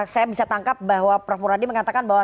saya bisa tangkap bahwa prof muradi mengatakan bahwa